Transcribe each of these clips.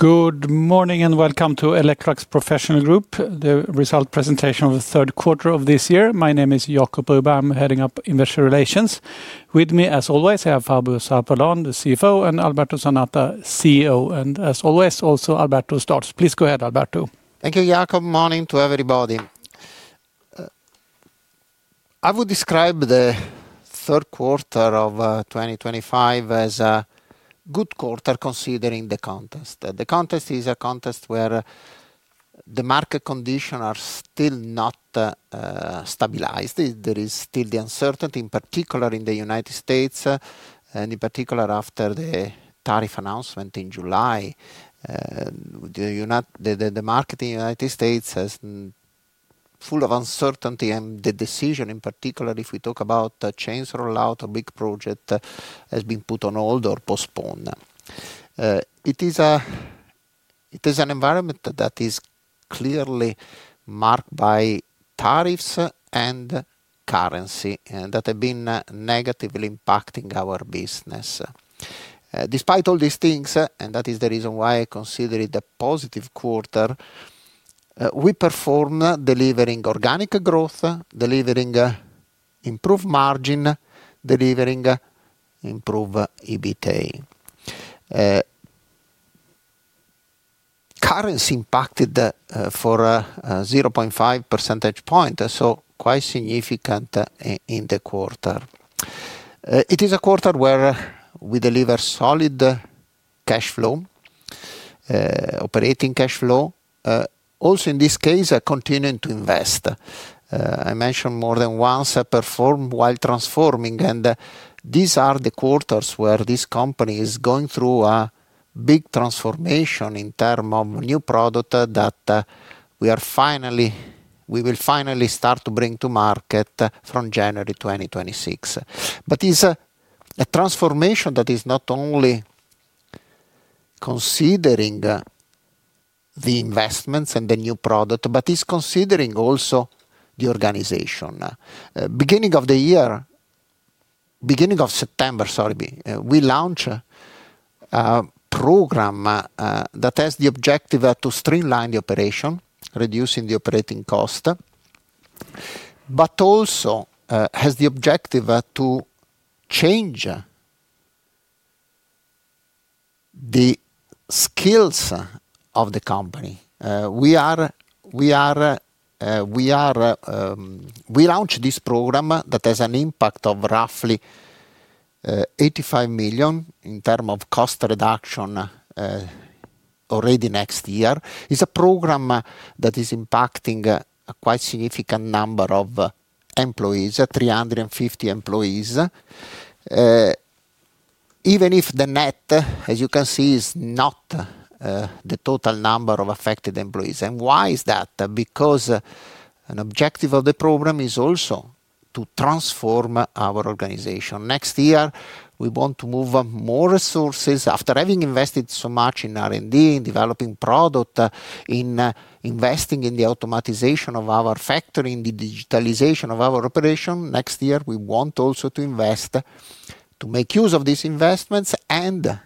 Good morning and welcome to Electrolux Professional Group, the result presentation of the third quarter of this year. My name is Jacob Broberg, I'm heading up Investor Relations. With me, as always, I have Fabio Zarpellon, the CFO, and Alberto Zanata, CEO. As always, also Alberto starts. Please go ahead, Alberto. Thank you, Jacob. Morning to everybody. I would describe the third quarter of 2025 as a good quarter considering the context. The context is a context where the market conditions are still not stabilized. There is still the uncertainty, in particular in the United States, and in particular after the tariff announcement in July. The market in the United States is full of uncertainty, and the decision, in particular, if we talk about the chains rollout or big project, has been put on hold or postponed. It is an environment that is clearly marked by tariffs and currency that have been negatively impacting our business. Despite all these things, and that is the reason why I consider it a positive quarter, we performed delivering organic growth, delivering improved margin, delivering improved EBITDA. Currency impacted for 0.5%, so quite significant in the quarter. It is a quarter where we deliver solid cash flow, operating cash flow, also in this case continuing to invest. I mentioned more than once performed while transforming, and these are the quarters where this company is going through a big transformation in terms of new product that we will finally start to bring to market from January 2026. It's a transformation that is not only considering the investments and the new product, but it's considering also the organization. Beginning of the year, beginning of September, sorry, we launched a program that has the objective to streamline the operation, reducing the operating cost, but also has the objective to change the skills of the company. We launched this program that has an impact of roughly 85 million in terms of cost reduction already next year. It's a program that is impacting a quite significant number of employees, 350 employees, even if the net, as you can see, is not the total number of affected employees. The objective of the program is also to transform our organization. Next year, we want to move more resources. After having invested so much in R&D, in developing product, in investing in the automatization of our factory, in the digitalization of our operation, next year we want also to invest, to make use of these investments, and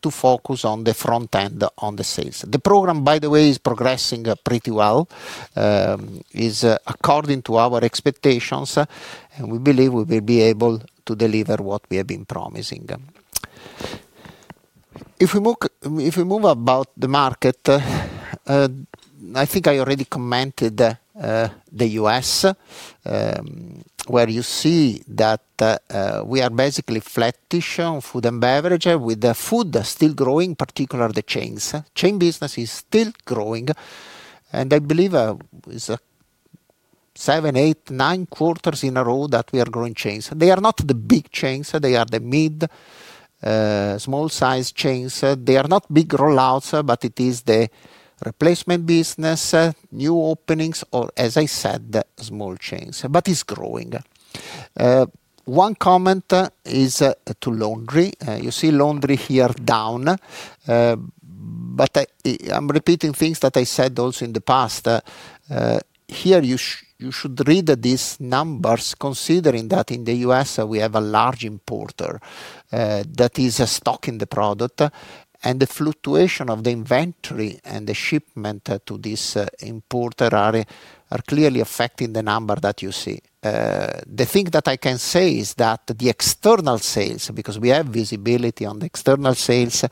to focus on the front end, on the sales. The program, by the way, is progressing pretty well. It is according to our expectations, and we believe we will be able to deliver what we have been promising. If we move about the market, I think I already commented the U.S., where you see that we are basically flattish on Food & Beverage, with the food still growing, particularly the chains. Chain business is still growing, and I believe it's seven, eight, nine quarters in a row that we are growing chains. They are not the big chains, they are the mid, small-sized chains. They are not big rollouts, but it is the replacement business, new openings, or as I said, small chains, but it's growing. One comment is to Laundry. You see Laundry here down, but I'm repeating things that I said also in the past. Here you should read these numbers considering that in the U.S. we have a large importer that is stocking the product, and the fluctuation of the inventory and the shipment to this importer are clearly affecting the number that you see. The thing that I can say is that the external sales, because we have visibility on the external sales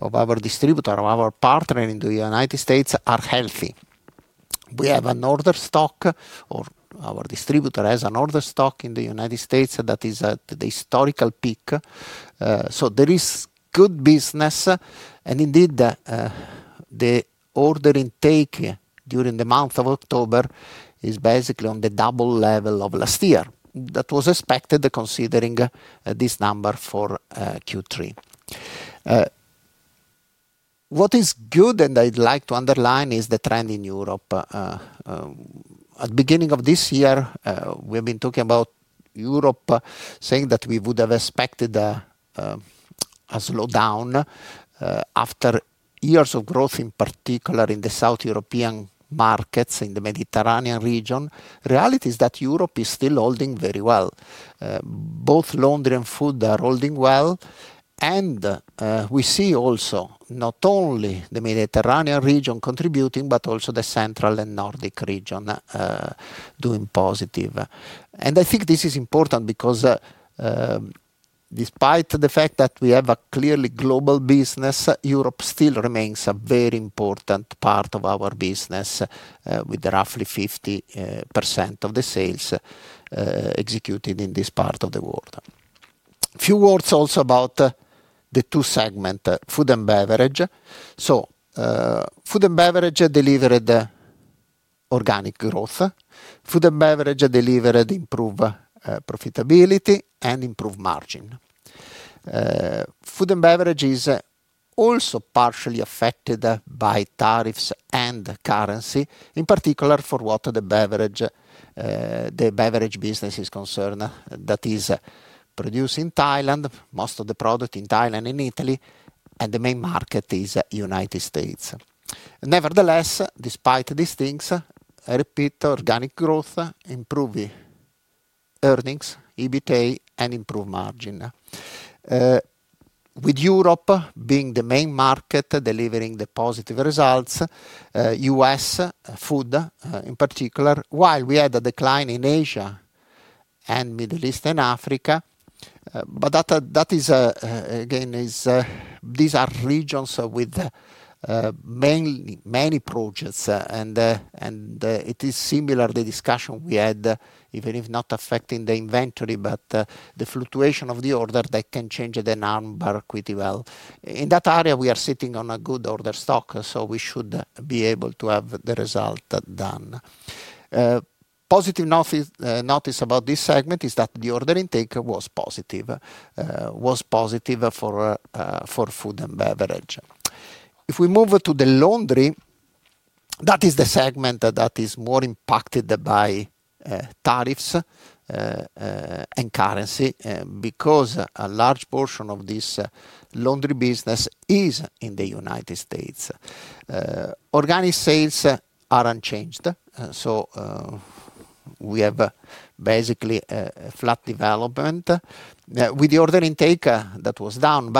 of our distributor, of our partner in the United States, are healthy. We have an order stock, or our distributor has an order stock in the United States that is at the historical peak. There is good business, and indeed the order intake during the month of October is basically on the double level of last year. That was expected considering this number for Q3. What is good, and I'd like to underline, is the trend in Europe. At the beginning of this year, we have been talking about Europe, saying that we would have expected a slowdown after years of growth, in particular in the South European markets, in the Mediterranean region. The reality is that Europe is still holding very well. Both Laundry and Food are holding well, and we see also not only the Mediterranean region contributing, but also the central and Nordic region doing positive. I think this is important because despite the fact that we have a clearly global business, Europe still remains a very important part of our business, with roughly 50% of the sales executed in this part of the world. A few words also about the two segments, Food & Beverage. Food & Beverage delivered organic growth. Food & Beverage delivered improved profitability and improved margin. Food & Beverage is also partially affected by tariffs and currency, in particular for what the Beverage business is concerned, that is produced in Thailand, most of the product in Thailand and Italy, and the main market is the United States. Nevertheless, despite these things, I repeat organic growth, improving earnings, EBITDA, and improved margin. With Europe being the main market delivering the positive results, U.S. food in particular, while we had a decline in Asia and Middle East and Africa. That is, again, these are regions with many projects, and it is similar to the discussion we had, even if not affecting the inventory, but the fluctuation of the order that can change the number pretty well. In that area, we are sitting on a good order stock, so we should be able to have the result done. Positive notice about this segment is that the order intake was positive, was positive for Food & Beverage. If we move to the Laundry, that is the segment that is more impacted by tariffs and currency because a large portion of this Laundry business is in the United States. Organic sales are unchanged, so we have basically a flat development with the order intake that was down.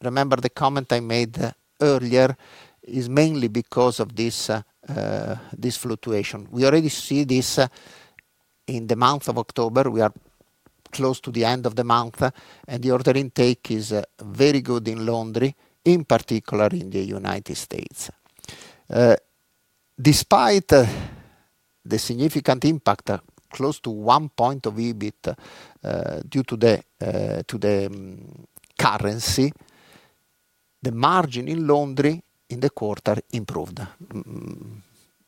Remember the comment I made earlier, it's mainly because of this fluctuation. We already see this in the month of October. We are close to the end of the month, and the order intake is very good in Laundry, in particular in the United States. Despite the significant impact, close to one point of EBIT due to the currency, the margin in Laundry in the quarter improved.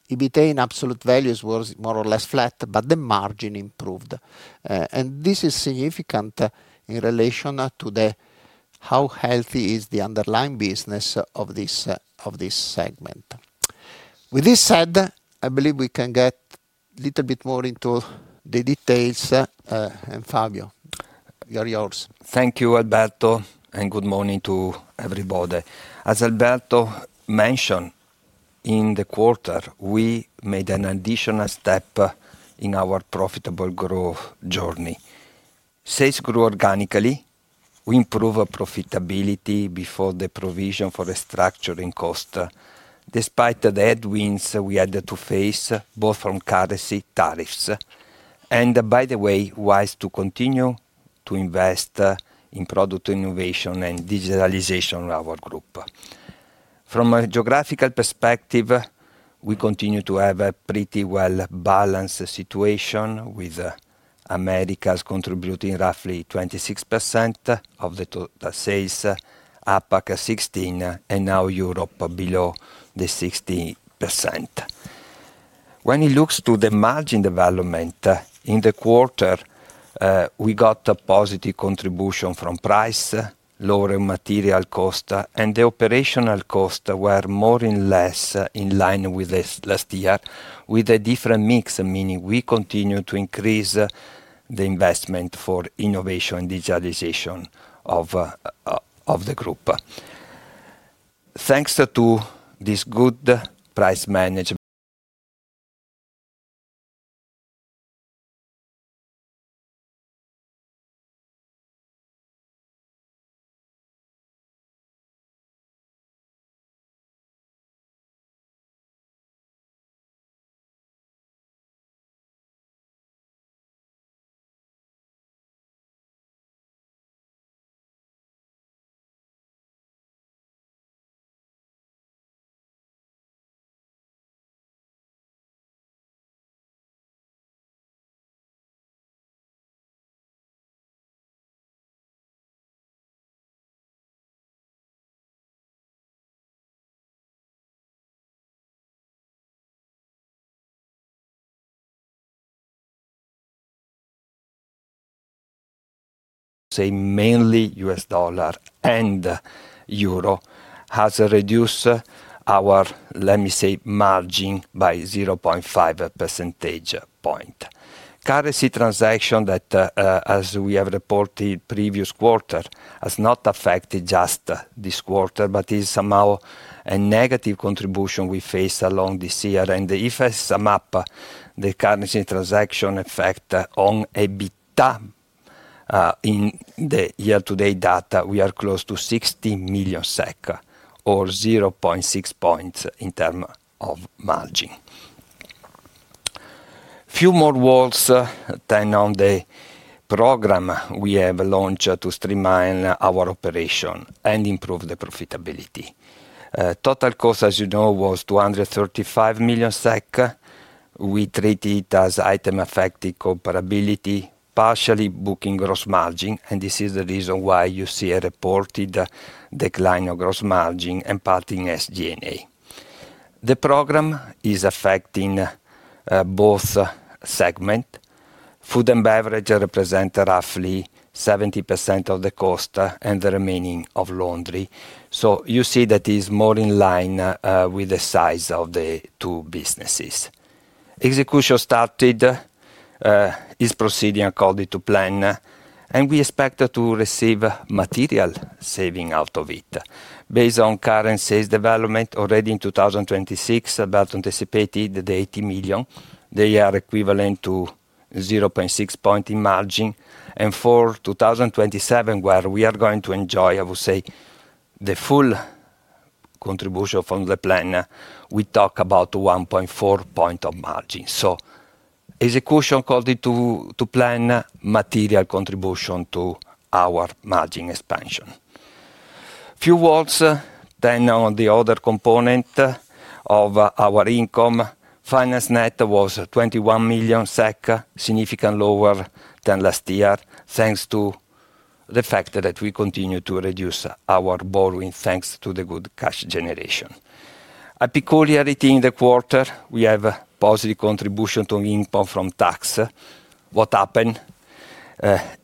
EBITDA in absolute values was more or less flat, but the margin improved. This is significant in relation to how healthy is the underlying business of this segment. With this said, I believe we can get a little bit more into the details. Fabio, you're yours. Thank you, Alberto, and good morning to everybody. As Alberto mentioned, in the quarter, we made an additional step in our profitable growth journey. Sales grew organically. We improved profitability before the provision for a restructuring cost. Despite the headwinds we had to face, both from currency tariffs, and by the way, wise to continue to invest in product innovation and digitalization of our group. From a geographical perspective, we continue to have a pretty well-balanced situation with America contributing roughly 26% of the total sales, APAC 16%, and now Europe below the 16%. When it looks to the margin development in the quarter, we got a positive contribution from price, lowering material cost, and the operational cost were more or less in line with last year, with a different mix, meaning we continue to increase the investment for innovation and digitalization of the group. Thanks to this good price management, mainly U.S. dollar and euro, has reduced our, let me say, margin by 0.5 percentage point. Currency transaction that, as we have reported in the previous quarter, has not affected just this quarter, but is somehow a negative contribution we face along this year. If I sum up the currency transaction effect on EBITDA in the year-to-date data, we are close to 16 million SEK, or 0.6 points in terms of margin. A few more words then on the program we have launched to streamline our operation and improve the profitability. Total cost, as you know, was 235 million SEK. We treat it as item-affected comparability, partially booking gross margin, and this is the reason why you see a reported decline of gross margin imparting SG&A. The program is affecting both segments. Food & Beverage represent roughly 70% of the cost and the remaining of Laundry. You see that it is more in line with the size of the two businesses. Execution started is proceeding according to plan, and we expect to receive material savings out of it. Based on current sales development already in 2026, about anticipated the SEK 80 million, they are equivalent to 0.6 point in margin. For 2027, where we are going to enjoy, I would say, the full contribution from the plan, we talk about 1.4 point of margin. Execution according to plan, material contribution to our margin expansion. A few words then on the other component of our income. Finance net was 21 million SEK, significantly lower than last year, thanks to the fact that we continue to reduce our borrowing, thanks to the good cash generation. A peculiarity in the quarter, we have a positive contribution to income from tax. What happened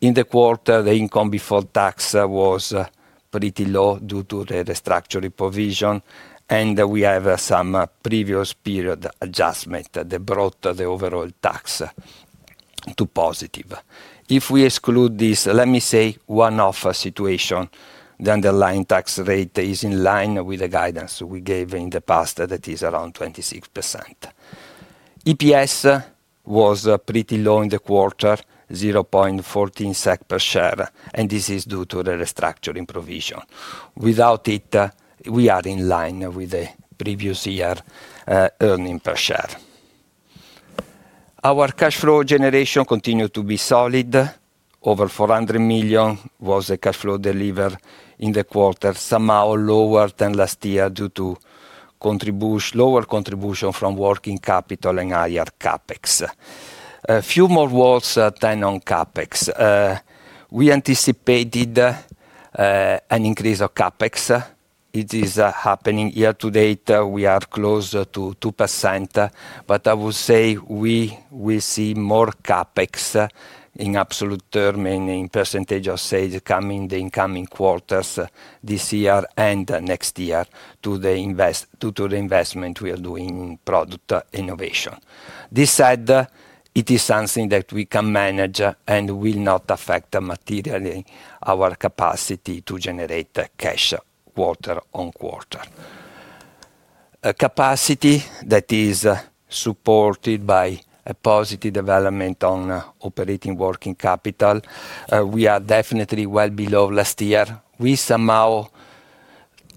in the quarter? The income before tax was pretty low due to the restructuring provision, and we have some previous period adjustment that brought the overall tax to positive. If we exclude this, let me say one-off situation, the underlying tax rate is in line with the guidance we gave in the past, that is around 26%. EPS was pretty low in the quarter, 0.14 SEK per share, and this is due to the restructuring provision. Without it, we are in line with the previous year earning per share. Our cash flow generation continued to be solid. Over 400 million was the cash flow delivered in the quarter, somehow lower than last year due to lower contribution from working capital and higher CapEx. A few more words then on CapEx. We anticipated an increase of CapEx. It is happening year-to-date. We are close to 2%, but I would say we will see more CapEx in absolute term and in percentage of sales coming in the incoming quarters this year and next year due to the investment we are doing in product innovation. This said, it is something that we can manage and will not affect materially our capacity to generate cash quarter on quarter. A capacity that is supported by a positive development on operating working capital. We are definitely well below last year. We somehow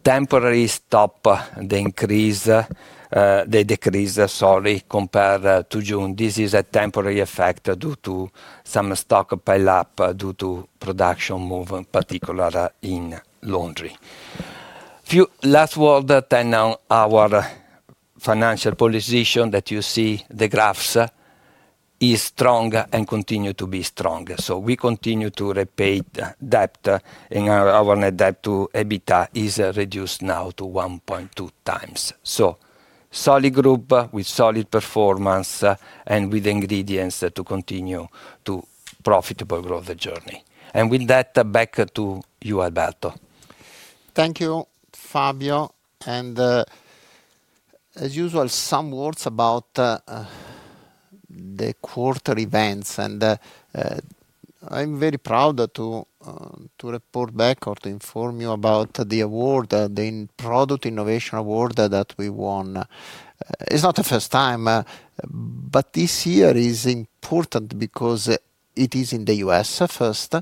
temporarily stop the increase, the decrease, sorry, compared to June. This is a temporary effect due to some stock pile-up due to production movement, particularly in Laundry. A few last words then on our financial position that you see the graphs are strong and continue to be strong. We continue to repeat that our net debt to EBITDA is reduced now to 1.2x. Solid group with solid performance and with ingredients to continue to profitable growth journey. With that, back to you, Alberto. Thank you, Fabio. As usual, some words about the quarter events. I'm very proud to report back or to inform you about the award, the Product Innovation Award that we won. It's not the first time, but this year is important because it is in the U.S. first.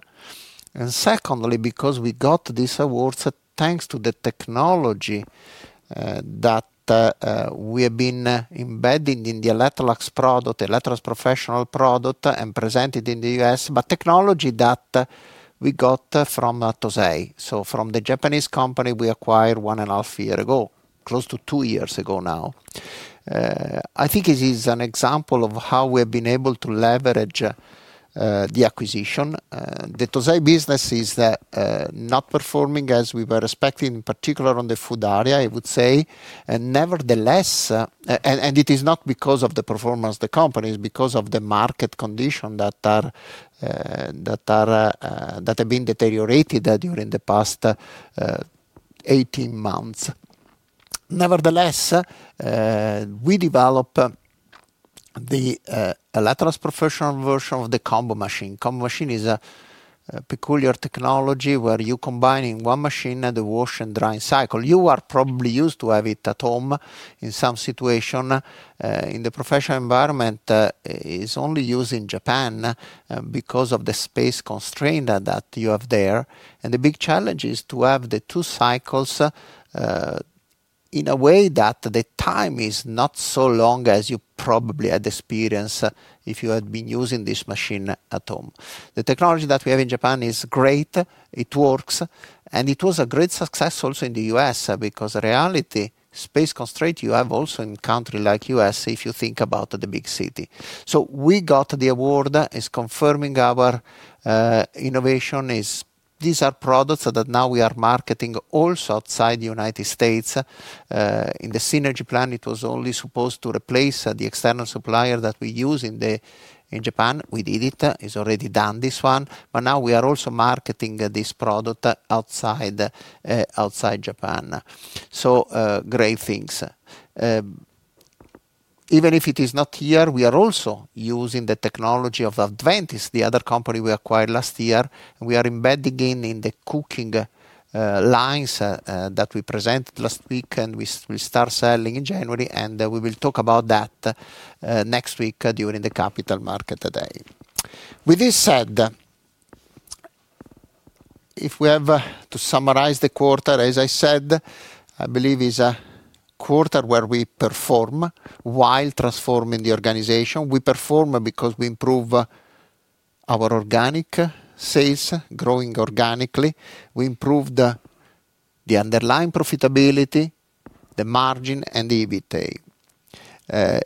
Secondly, because we got these awards thanks to the technology that we have been embedding in the Electrolux Professional product and presented in the U.S., but technology that we got from Tosei. From the Japanese company we acquired one and a half years ago, close to two years ago now. I think it is an example of how we have been able to leverage the acquisition. The Tosei business is not performing as we were expecting, in particular on the food area, I would say. Nevertheless, and it is not because of the performance of the company, it's because of the market conditions that have been deteriorated during the past 18 months. Nevertheless, we developed the Electrolux Professional version of the combo machine. Combo machine is a peculiar technology where you combine in one machine the wash and drying cycle. You are probably used to have it at home in some situation. In the professional environment, it's only used in Japan because of the space constraint that you have there. The big challenge is to have the two cycles in a way that the time is not so long as you probably had experienced if you had been using this machine at home. The technology that we have in Japan is great. It works. It was a great success also in the U.S. because in reality, space constraint you have also in a country like the U.S. if you think about the big city. We got the award. It's confirming our innovation. These are products that now we are marketing also outside the United States. In the synergy plan, it was only supposed to replace the external supplier that we use in Japan. We did it. It's already done, this one. Now we are also marketing this product outside Japan. Great things. Even if it is not here, we are also using the technology of Adventys, the other company we acquired last year. We are embedding in the cooking lines that we presented last week, and we will start selling in January. We will talk about that next week during the capital market day. With this said, if we have to summarize the quarter, as I said, I believe it's a quarter where we perform while transforming the organization. We perform because we improve our organic sales, growing organically. We improve the underlying profitability, the margin, and the EBITDA.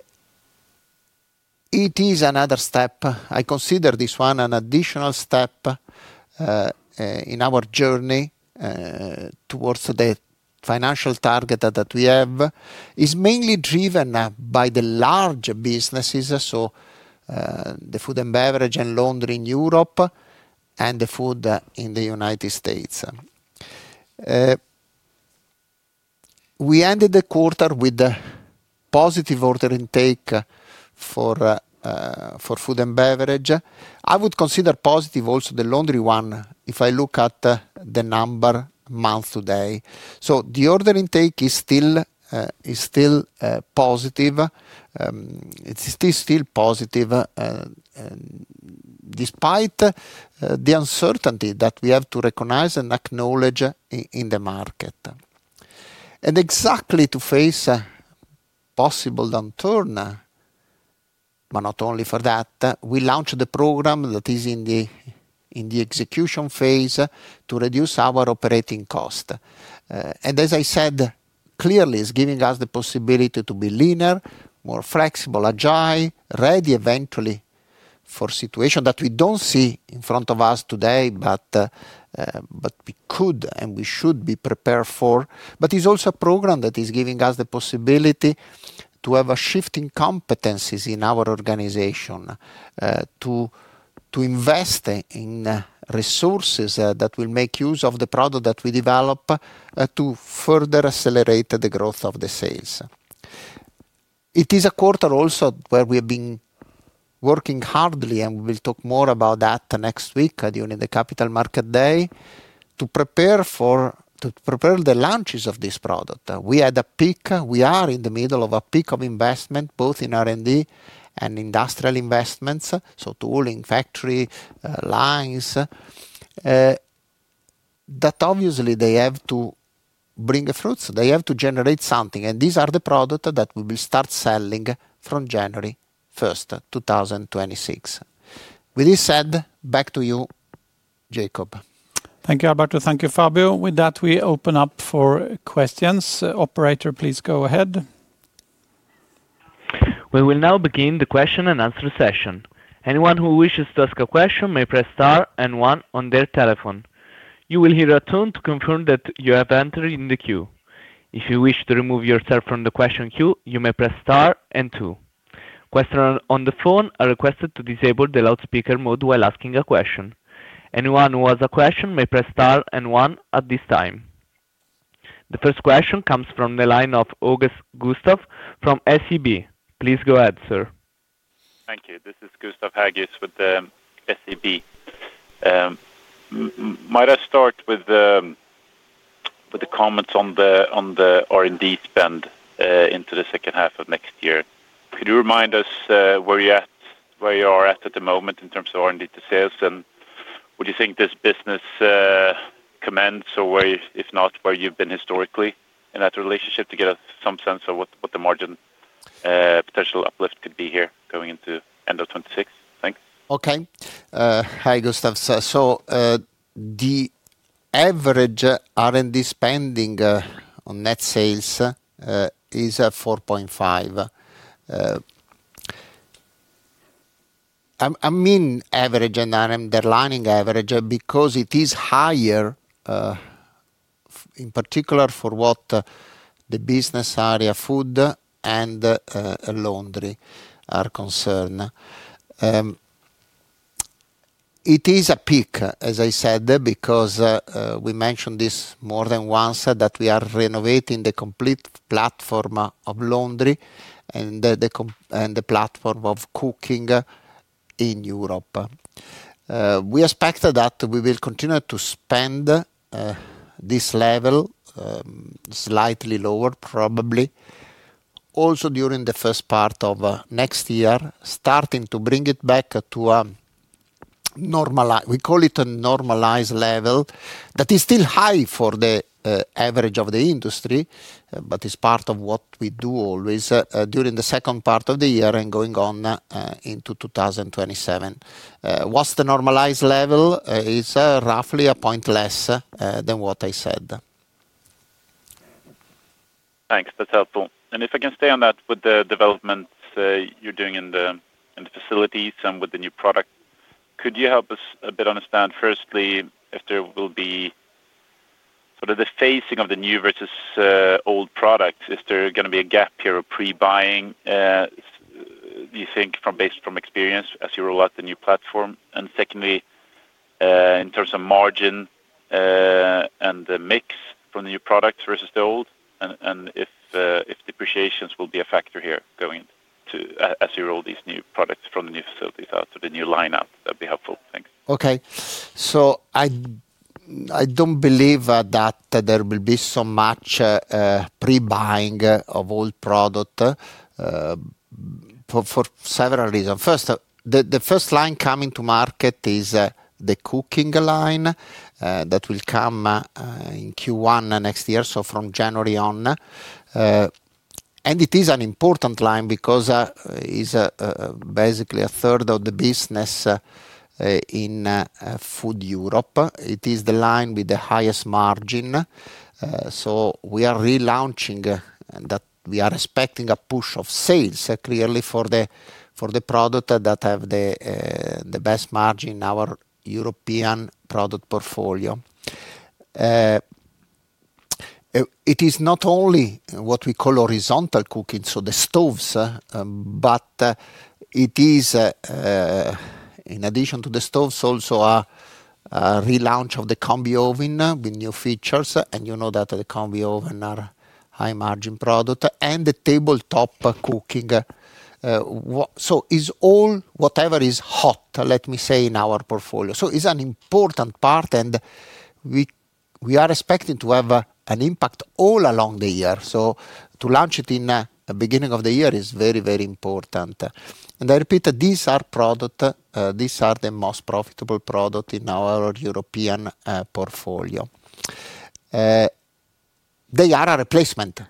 It is another step. I consider this one an additional step in our journey towards the financial target that we have. It's mainly driven by the large businesses, so the Food & Beverage and Laundry in Europe and the food in the United States. We ended the quarter with a positive order intake for Food & Beverage. I would consider positive also the Laundry one if I look at the number month to date. The order intake is still positive. It's still positive despite the uncertainty that we have to recognize and acknowledge in the market. Exactly to face a possible downturn, not only for that, we launched the program that is in the execution phase to reduce our operating cost. As I said, clearly it's giving us the possibility to be leaner, more flexible, agile, ready eventually for situations that we don't see in front of us today, but we could and we should be prepared for. It's also a program that is giving us the possibility to have a shift in competencies in our organization, to invest in resources that will make use of the product that we develop to further accelerate the growth of the sales. It is a quarter also where we have been working hard, and we will talk more about that next week during the capital market day to prepare the launches of this product. We had a peak. We are in the middle of a peak of investment, both in R&D and industrial investments, tooling, factory, lines that obviously they have to bring fruits. They have to generate something. These are the products that we will start selling from January 1, 2026. With this said, back to you, Jacob. Thank you, Alberto. Thank you, Fabio. With that, we open up for questions. Operator, please go ahead. We will now begin the question and answer session. Anyone who wishes to ask a question may press star and one on their telephone. You will hear a tone to confirm that you have entered in the queue. If you wish to remove yourself from the question queue, you may press star and two. Questions on the phone are requested to disable the loudspeaker mode while asking a question. Anyone who has a question may press star and one at this time. The first question comes from the line of Hagéus Gustav from SEB. Please go ahead, sir. Thank you. This is Gustav Hagéus with SEB. Might I start with the comments on the R&D spend into the second half of next year? Could you remind us where you are at at the moment in terms of R&D to sales? Would you think this business commends or, if not, where you've been historically in that relationship to get some sense of what the margin potential uplift could be here going into end of 2026? Thanks. Okay. Hi, Gustav. The average R&D spending on net sales is 4.5%. I mean average, and I'm underlining average because it is higher, in particular for what the business area, Food & Beverage and Laundry, are concerned. It is a peak, as I said, because we mentioned this more than once that we are renovating the complete platform of Laundry and the platform of cooking in Europe. We expect that we will continue to spend this level, slightly lower probably, also during the first part of next year, starting to bring it back to a normalized, we call it a normalized level that is still high for the average of the industry, but it's part of what we do always during the second part of the year and going on into 2027. What's the normalized level? It's roughly a point less than what I said. Thanks. That's helpful. If I can stay on that with the developments you're doing in the facilities and with the new product, could you help us a bit understand, firstly, if there will be sort of the phasing of the new versus old products? Is there going to be a gap here of pre-buying? Do you think from experience as you roll out the new platform? Secondly, in terms of margin and the mix from the new products versus the old, and if depreciations will be a factor here going into as you roll these new products from the new facilities out to the new lineup, that'd be helpful. Thanks. Okay. I don't believe that there will be so much pre-buying of old product for several reasons. First, the first line coming to market is the cooking line that will come in Q1 next year, from January on. It is an important line because it's basically a third of the business in Food & Beverage Europe. It is the line with the highest margin. We are relaunching that. We are expecting a push of sales clearly for the product that have the best margin in our European product portfolio. It is not only what we call horizontal cooking, the stoves, but in addition to the stoves, also a relaunch of the combi oven with new features. You know that the combi oven are high-margin products and the tabletop cooking. It's all whatever is hot, let me say, in our portfolio. It's an important part, and we are expecting to have an impact all along the year. To launch it in the beginning of the year is very, very important. I repeat, these are products, these are the most profitable products in our European portfolio. They are a replacement.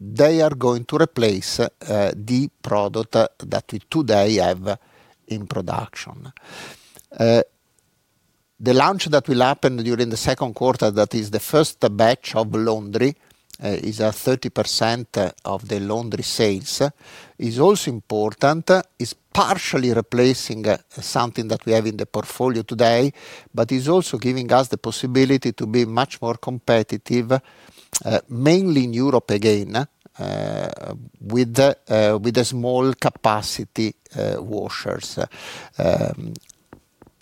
They are going to replace the product that we today have in production. The launch that will happen during the second quarter, that is the first batch of Laundry, is 30% of the Laundry sales. It's also important. It's partially replacing something that we have in the portfolio today, but it's also giving us the possibility to be much more competitive, mainly in Europe again, with the small capacity washers.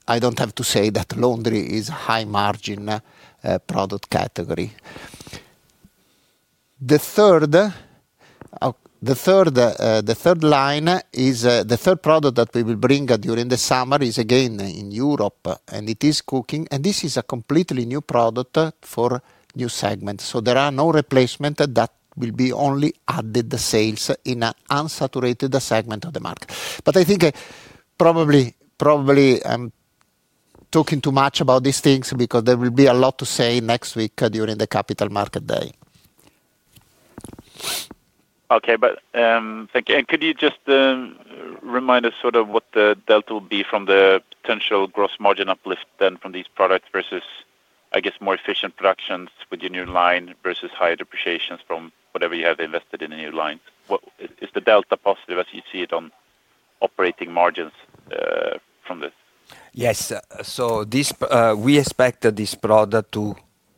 I don't have to say that Laundry is a high-margin product category. The third line is the third product that we will bring during the summer, again in Europe, and it is cooking. This is a completely new product for new segments. There are no replacements that will be only added to the sales in an unsaturated segment of the market. I think probably I'm talking too much about these things because there will be a lot to say next week during the capital market day. Thank you. Could you just remind us what the delta will be from the potential gross margin uplift from these products versus, I guess, more efficient productions with your new line versus higher depreciations from whatever you have invested in the new lines? What is the delta positive as you see it on operating margins from this? Yes. We expect this product to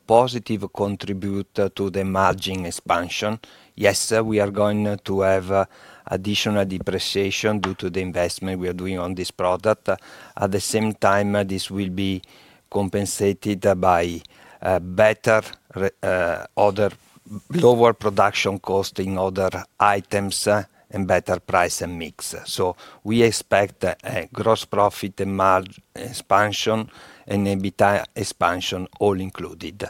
positively contribute to the margin expansion. Yes, we are going to have additional depreciation due to the investment we are doing on this product. At the same time, this will be compensated by better, lower production costs in other items and better price and mix. We expect a gross profit and margin expansion and EBITDA expansion all included.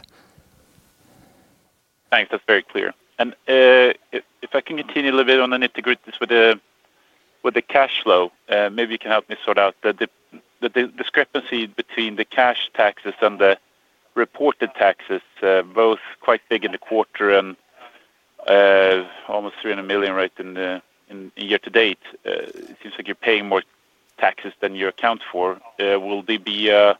Thanks. That's very clear. If I can continue a little bit on and integrate this with the cash flow, maybe you can help me sort out the discrepancy between the cash taxes and the reported taxes, both quite big in the quarter and almost 300 million right in the year to date. It seems like you're paying more taxes than your accounts for. Will there be a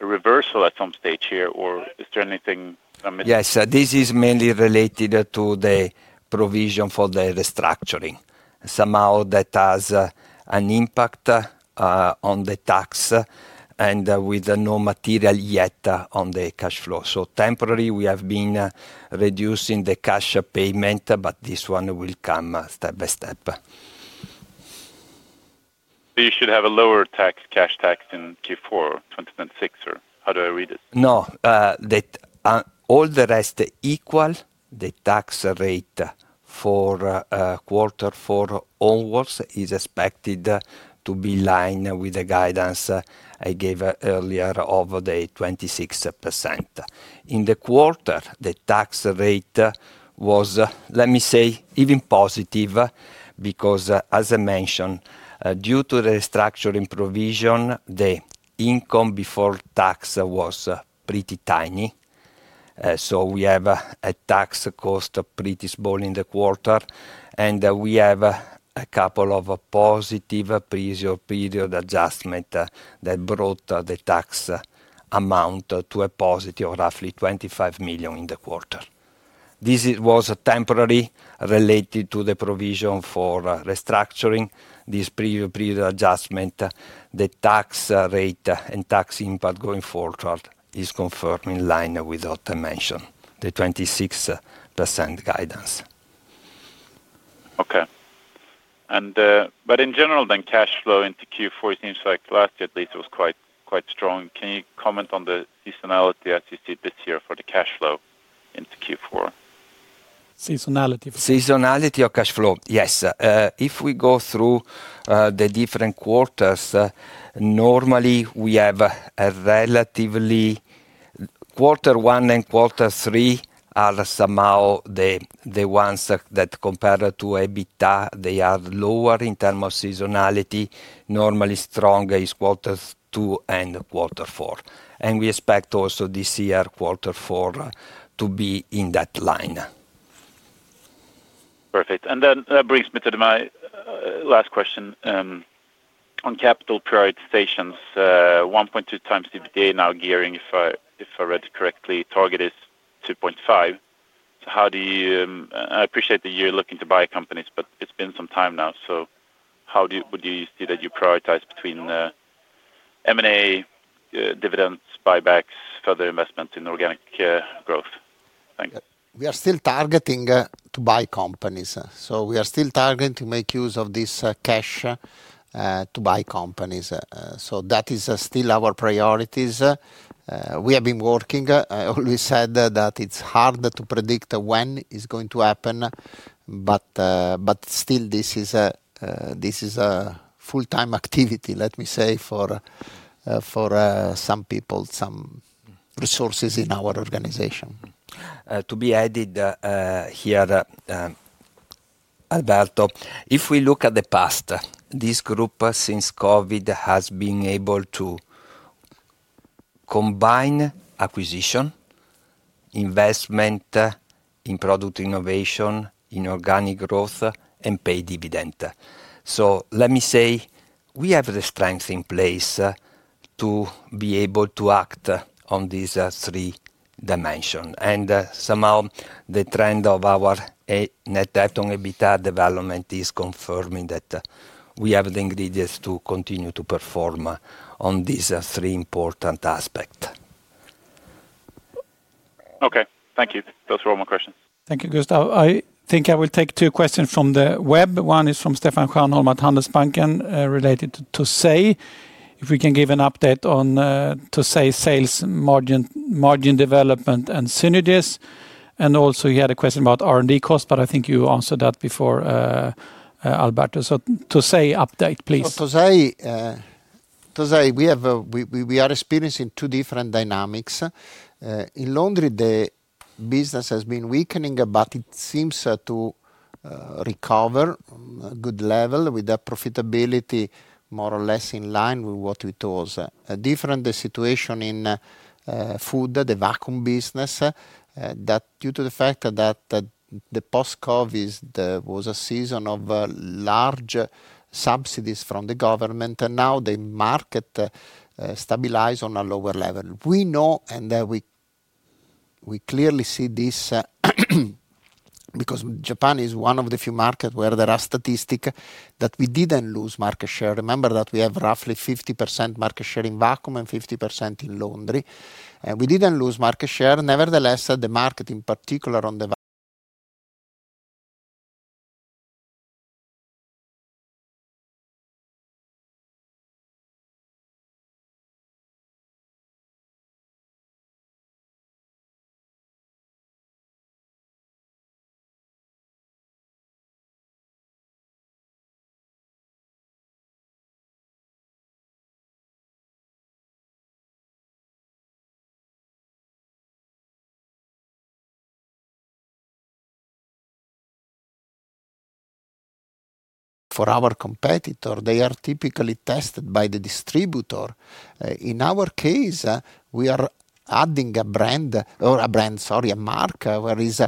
reversal at some stage here, or is there anything I'm missing? Yes, this is mainly related to the provision for the restructuring. That has an impact on the tax, with no material yet on the cash flow. Temporarily, we have been reducing the cash payment, but this one will come step by step. You should have a lower cash tax in Q4 of 2026, or how do I read it? No, all the rest equal. The tax rate for quarter four onwards is expected to be in line with the guidance I gave earlier of the 26%. In the quarter, the tax rate was, let me say, even positive because, as I mentioned, due to the restructuring provision, the income before tax was pretty tiny. We have a tax cost pretty small in the quarter, and we have a couple of positive previous period adjustments that brought the tax amount to a positive of roughly 25 million in the quarter. This was temporarily related to the provision for restructuring. This previous period adjustment, the tax rate and tax impact going forward is confirmed in line with what I mentioned, the 26% guidance. Okay. In general, then cash flow into Q4 seems like last year at least was quite strong. Can you comment on the seasonality as you see it this year for the cash flow into Q4? Seasonality of cash flow, yes. If we go through the different quarters, normally we have a relatively quarter one and quarter three are somehow the ones that compare to EBITDA. They are lower in terms of seasonality. Normally strong is quarter two and quarter four. We expect also this year quarter four to be in that line. Perfect. That brings me to my last question. On capital prioritizations, 1.2x EBITDA now gearing, if I read it correctly, target is 2.5. I appreciate that you're looking to buy companies, but it's been some time now. How do you see that you prioritize between M&A, dividends, buybacks, further investments in organic growth? Thanks. We are still targeting to buy companies. We are still targeting to make use of this cash to buy companies. That is still our priority. We have been working. I always said that it's hard to predict when it's going to happen. This is a full-time activity, let me say, for some people, some resources in our organization. To be added here, Alberto, if we look at the past, this group since COVID has been able to combine acquisition, investment in product innovation, in organic growth, and pay dividend. We have the strength in place to be able to act on these three dimensions. Somehow the trend of our net debt on EBITDA development is confirming that we have the ingredients to continue to perform on these three important aspects. Okay. Thank you. Those are all my questions. Thank you, Gustav. I think I will take two questions from the web. One is from Stefan Stjernholm at Svenska Handelsbanken related to Tosei. If we can give an update on Tosei sales margin development and synergies. You had a question about R&D cost, but I think you answered that before, Alberto. Tosei update, please. For Tosei, we are experiencing two different dynamics. In Laundry, the business has been weakening, but it seems to recover on a good level with a profitability more or less in line with what it was. A different situation in Food, the vacuum business, due to the fact that the post-COVID was a season of large subsidies from the government, and now the market stabilized on a lower level. We know, and we clearly see this because Japan is one of the few markets where there are statistics that we didn't lose market share. Remember that we have roughly 50% market share in vacuum and 50% in Laundry. We didn't lose market share. Nevertheless, the market in particular on the vacuum share is still growing. We are seeing a lot of improvements. For our competitor, they are typically tested by the distributor. In our case, we are adding a brand, or a market where it is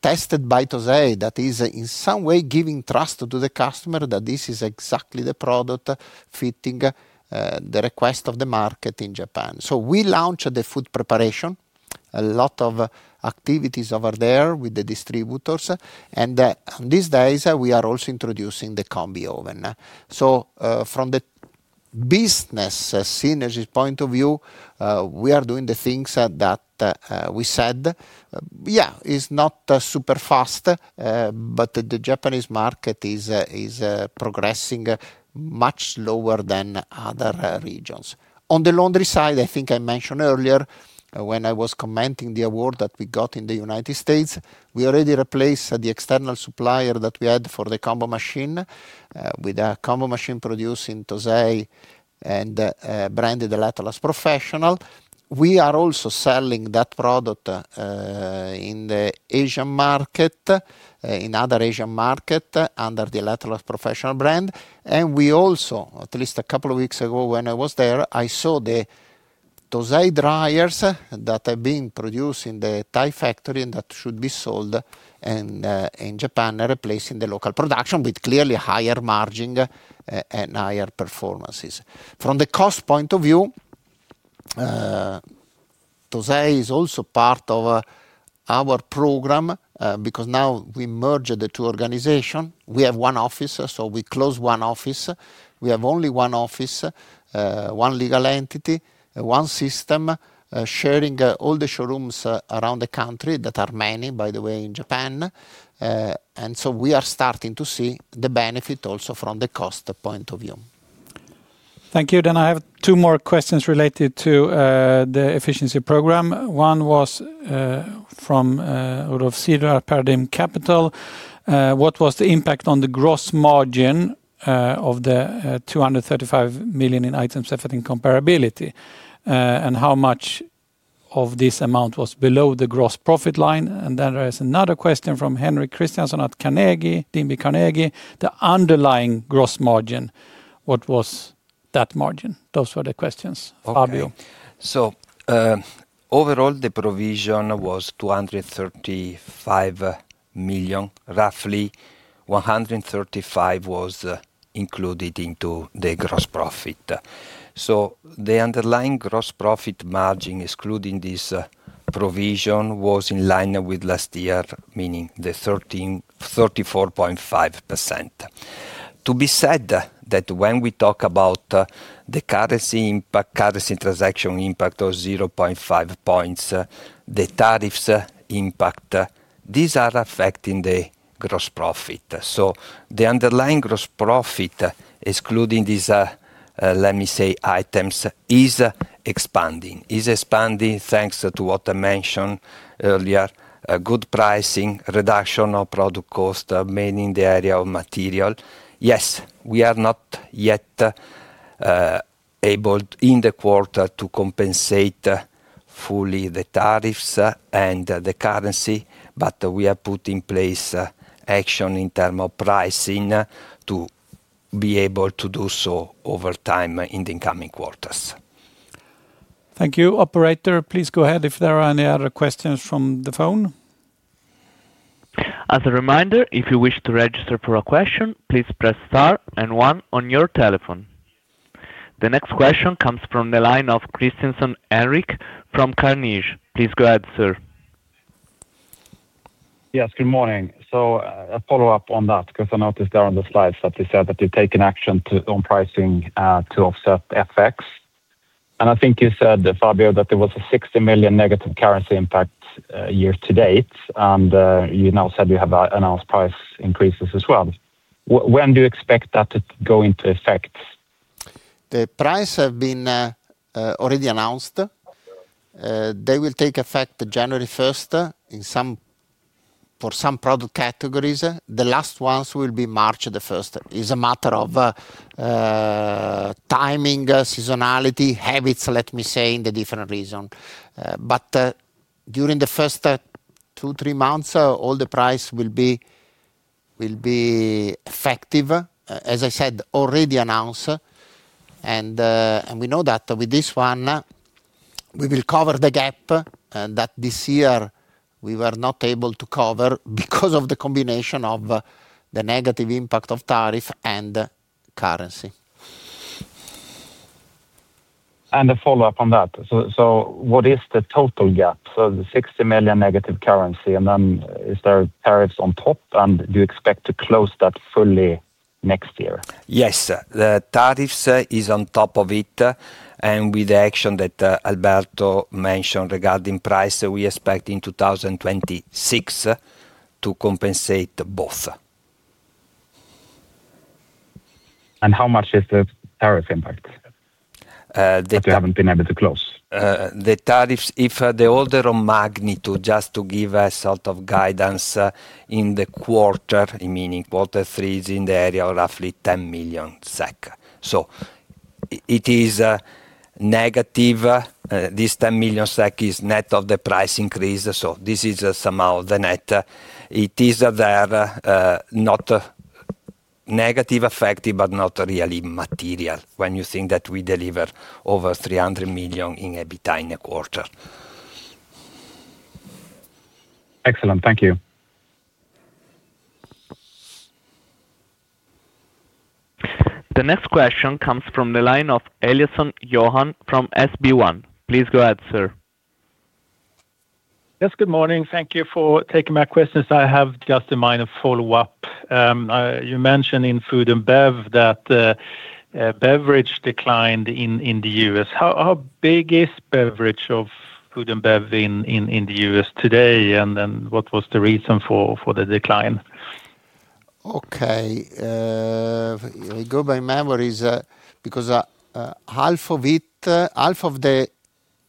tested by Tosei that is in some way giving trust to the customer that this is exactly the product fitting the request of the market in Japan. We launched the food preparation, a lot of activities over there with the distributors. These days, we are also introducing the combi oven. From the business synergy point of view, we are doing the things that we said. It's not super fast, but the Japanese market is progressing much slower than other regions. On the Laundry side, I think I mentioned earlier when I was commenting the award that we got in the United States, we already replaced the external supplier that we had for the combo machine with a combo machine produced in Tosei and branded Electrolux Professional. We are also selling that product in the Asian market, in other Asian markets under the Electrolux Professional brand. At least a couple of weeks ago when I was there, I saw the Tosei dryers that have been produced in the Thai factory and that should be sold in Japan and replace the local production with clearly higher margins and higher performances. From the cost point of view, Tosei is also part of our program because now we merged the two organizations. We have one office, so we closed one office. We have only one office, one legal entity, one system, sharing all the showrooms around the country that are many, by the way, in Japan. We are starting to see the benefit also from the cost point of view. Thank you. I have two more questions related to the efficiency program. One was from Rodolfo Zeidler at Paradigm Capital. What was the impact on the gross margin of the 235 million in items affecting comparability? How much of this amount was below the gross profit line? There is another question from Henry Christiansen at DB Carnegie. The underlying gross margin, what was that margin? Those were the questions. Fabio. Overall, the provision was 235 million. Roughly 135 million was included into the gross profit. The underlying gross profit margin, excluding this provision, was in line with last year, meaning the 34.5%. It should be said that when we talk about the currency impact, currency transaction impact of 0.5 points, the tariffs impact, these are affecting the gross profit. The underlying gross profit, excluding these items, is expanding. It's expanding thanks to what I mentioned earlier, good pricing, reduction of product cost, mainly in the area of material. We are not yet able in the quarter to compensate fully the tariffs and the currency, but we have put in place action in terms of pricing to be able to do so over time in the incoming quarters. Thank you. Operator, please go ahead if there are any other questions from the phone. As a reminder, if you wish to register for a question, please press star and one on your telephone. The next question comes from the line of Christiansson Henrik from Carnegie. Please go ahead, sir. Yes, good morning. A follow-up on that because I noticed there on the slides that you said that you've taken action on pricing to offset FX. I think you said, Fabio, that there was a 60 million negative currency impact year to date, and you now said you have announced price increases as well. When do you expect that to go into effect? The price has been already announced. They will take effect January 1st for some product categories. The last ones will be March 1st. It's a matter of timing, seasonality, habits, let me say, in the different regions. During the first two, three months, all the price will be effective, as I said, already announced. We know that with this one, we will cover the gap that this year we were not able to cover because of the combination of the negative impact of tariff and currency. What is the total gap? The 60 million negative currency, and then is there tariffs on top, and do you expect to close that fully next year? Yes, the tariffs are on top of it, and with the action that Alberto mentioned regarding price, we expect in 2026 to compensate both. How much is the tariff impact that you haven't been able to close? The tariffs, if the order of magnitude, just to give a sort of guidance in the quarter, meaning quarter three, is in the area of roughly 10 million SEK. It is negative. This 10 million SEK is net of the price increase. This is somehow the net. It is there, a negative effect, but not really material when you think that we deliver over 300 million in EBITDA in a quarter. Excellent. Thank you. The next question comes from the line of Eliason Johan from SB1. Please go ahead, sir. Yes, good morning. Thank you for taking my questions. I have just a minor follow-up. You mentioned in Food & Beverage that beverage declined in the U.S. How big is beverage of Food & Beverage in the U.S. today, and what was the reason for the decline? Okay. I go by memories because half of the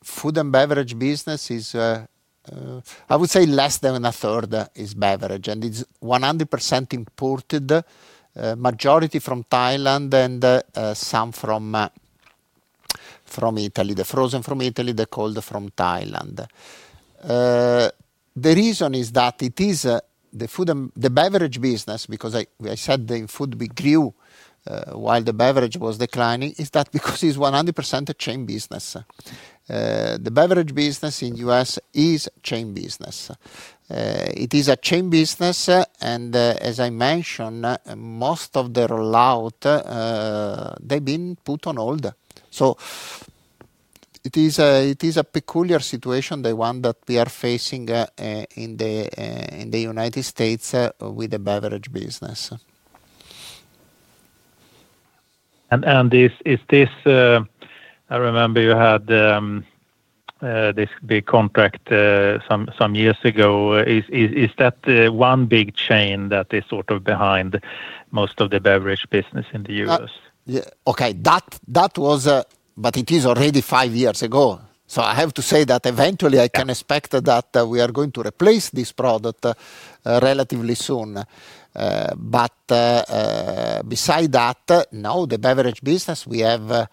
Food & Beverage business is, I would say, less than a third is beverage, and it's 100% imported, majority from Thailand and some from Italy, the frozen from Italy, the cold from Thailand. The reason is that it is the Food & Beverage business, because I said the food grew while the beverage was declining, is that because it's 100% a chain business. The beverage business in the U.S. is a chain business. It is a chain business, and as I mentioned, most of the rollout, they've been put on hold. It is a peculiar situation, the one that we are facing in the United States with the beverage business. I remember you had this big contract some years ago. Is that one big chain that is sort of behind most of the beverage business in the U.S.? Okay, that was already five years ago. I have to say that eventually I can expect that we are going to replace this product relatively soon. Beside that, no, the beverage business we have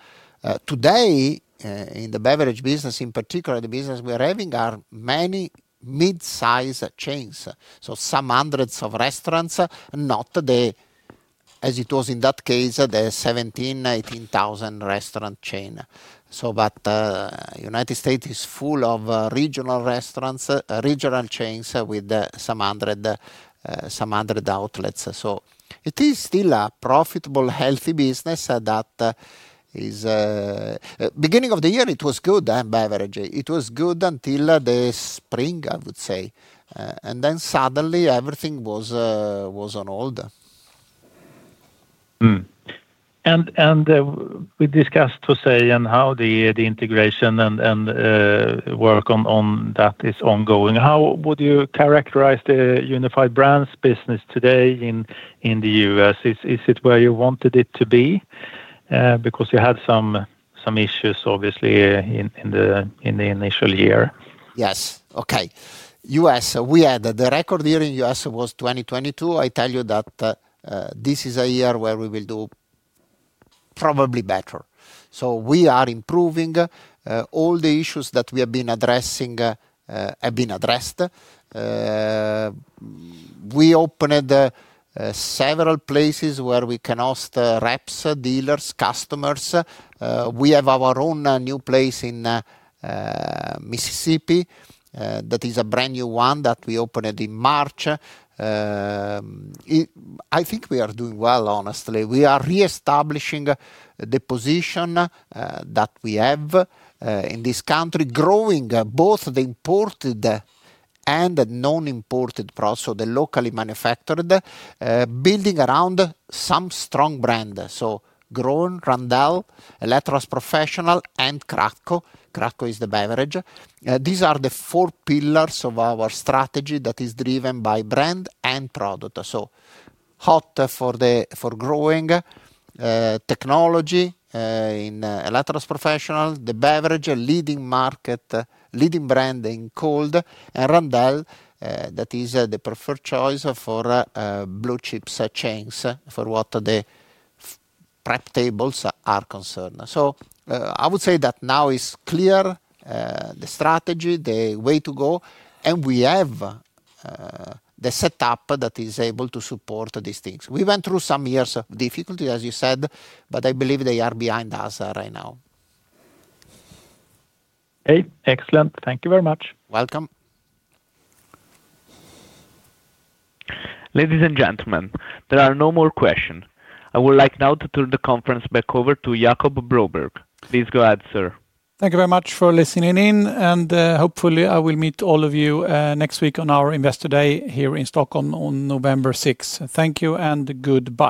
today, in the beverage business in particular, the business we are having are many mid-size chains, some hundreds of restaurants, not the, as it was in that case, the 17,000, 18,000 restaurant chain. The United States is full of regional restaurants, regional chains with some hundred outlets. It is still a profitable, healthy business. At the beginning of the year, it was good, and beverage, it was good until the spring, I would say. Then suddenly everything was on hold. We discussed Tosei and how the integration and work on that is ongoing. How would you characterize the Unified Brands business today in the U.S.? Is it where you wanted it to be? You had some issues, obviously, in the initial year. Yes. Okay. U.S., we had the record year in the U.S. was 2022. I tell you that this is a year where we will do probably better. We are improving. All the issues that we have been addressing have been addressed. We opened several places where we can host reps, dealers, customers. We have our own new place in Mississippi. That is a brand new one that we opened in March. I think we are doing well, honestly. We are reestablishing the position that we have in this country, growing both the imported and non-imported products, so the locally manufactured, building around some strong brands. So Groen, Randell, Electrolux Professional, and Crathco. Crathco is the beverage. These are the four pillars of our strategy that is driven by brand and product. Hot for growing technology in Electrolux Professional, the beverage, leading market, leading brand in cold, and Randell, that is the preferred choice for blue chips chains for what the prep tables are concerned. I would say that now it's clear, the strategy, the way to go, and we have the setup that is able to support these things. We went through some years of difficulty, as you said, but I believe they are behind us right now. Okay. Excellent. Thank you very much. Welcome. Ladies and gentlemen, there are no more questions. I would like now to turn the conference back over to Jacob Broberg. Please go ahead, sir. Thank you very much for listening in, and hopefully I will meet all of you next week on our Investor Day here in Stockholm on November 6. Thank you and goodbye.